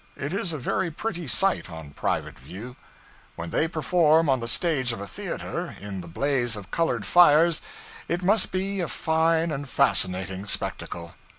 It is a very pretty sight, on private view. When they perform on the stage of a theater, in the blaze of colored fires, it must be a fine and fascinating spectacle.